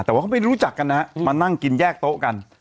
แต่ว่าเขาไม่รู้จักกันนะฮะมานั่งกินแยกโต๊ะกัน